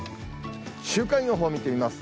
週間予報見てみます。